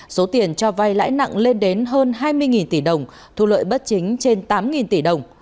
số tiền cho vay lãi nặng lên đến hơn hai mươi tỷ đồng thu lợi bất chính trên tám tỷ đồng